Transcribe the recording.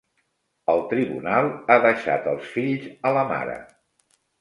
El tribunal ha deixat els fills a la mare.